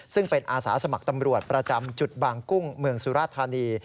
ซึ่งเป็นอาสาสมัครตำรวจประจำจุดบางกุ้งเมืองสุราธานี